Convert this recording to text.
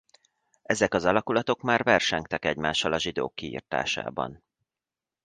Ezek az alakulatok már versengtek egymással a zsidók kiirtásában.